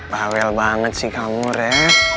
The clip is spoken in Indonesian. bawel banget sih kamu rez